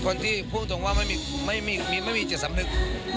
คนที่พูดตรงว่าไม่มีจิตสำนึก